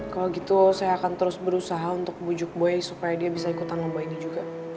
kalau gitu saya akan terus berusaha untuk bujuk buaya supaya dia bisa ikutan lomba ini juga